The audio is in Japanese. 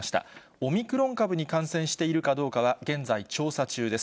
オミクロン株に感染しているかどうかは、現在、調査中です。